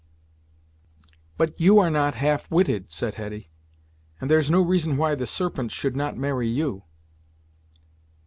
"But you are not half witted," said Hetty, "and there's no reason why the Serpent should not marry you."